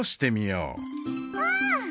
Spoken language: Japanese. うん！